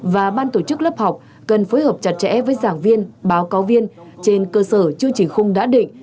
và ban tổ chức lớp học cần phối hợp chặt chẽ với giảng viên báo cáo viên trên cơ sở chương trình khung đã định